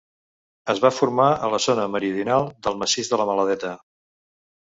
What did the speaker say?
Es va formar a la zona meridional del massís de la Maladeta.